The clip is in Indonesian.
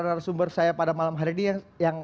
narasumber saya pada malam hari ini yang